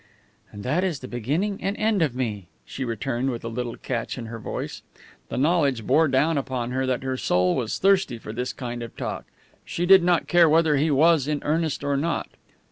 "And that is the beginning and the end of me," she returned with a little catch in her voice. The knowledge bore down upon her that her soul was thirsty for this kind of talk. She did not care whether he was in earnest or not.